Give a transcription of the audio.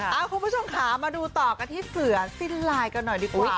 เอาคุณผู้ชมค่ะมาดูต่อกันที่เสือสิ้นลายกันหน่อยดีกว่า